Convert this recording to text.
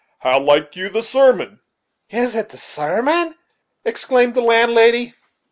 How liked you the sermon?" "Is it the sarmon?" exclaimed the landlady.